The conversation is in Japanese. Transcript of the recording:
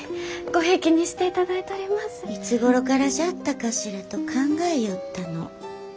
いつごろからじゃったかしらと考えよったの。